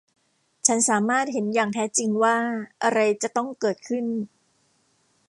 ฉันสามารถเห็นอย่างแท้จริงว่าอะไรจะต้องเกิดขึ้น